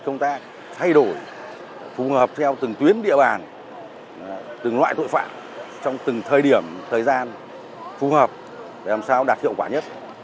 chúng ta thay đổi phù hợp theo từng tuyến địa bàn từng loại tội phạm trong từng thời điểm thời gian phù hợp để làm sao đạt hiệu quả nhất